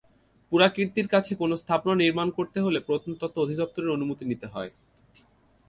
পুরাকীর্তির কাছে কোনো স্থাপনা নির্মাণ করতে হলে প্রত্নতত্ত্ব অধিদপ্তরের অনুমতি নিতে হয়।